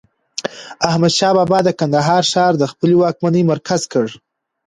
احمد شاه بابا د کندهار ښار د خپلي واکمنۍ مرکز کړ.